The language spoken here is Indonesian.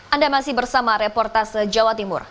anda masih bersama reportase jawa timur